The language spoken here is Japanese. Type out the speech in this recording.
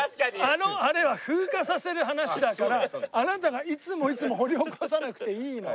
あのあれは風化させる話だからあなたがいつもいつも掘り起こさなくていいの。